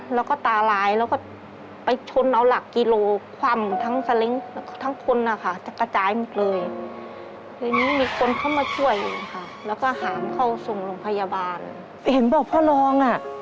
เห็นบอก้พ่อร้องอะ